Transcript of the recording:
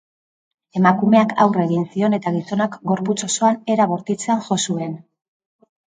Emakumeak aurre egin zion eta gizonak gorputz osoan era bortitzean jo zuen.